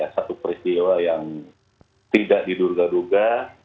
satu peristiwa yang tidak didurga durga